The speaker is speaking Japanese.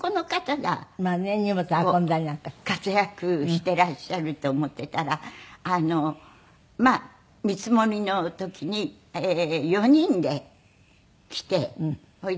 まあね荷物運んだりなんか。活躍していらっしゃると思っていたら見積もりの時に４人で来てそれで４日間。